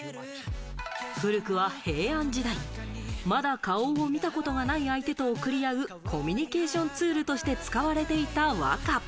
古くは平安時代、まだ顔を見たことがない相手と送り合うコミュニケーションツールとして使われていた和歌。